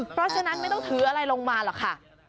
เพราะฉะนั้นไม่ต้องถืออะไรลงมาหรอกค่ะ